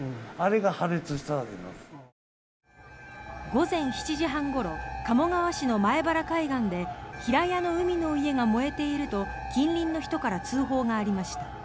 午前７時半ごろ鴨川市の前原海岸で平屋の海の家が燃えていると近隣の人から通報がありました。